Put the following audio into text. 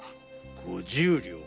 五十両か。